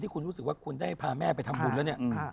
ที่คุณรู้สึกว่าคุณได้พาแม่ไปทำบุญแล้ว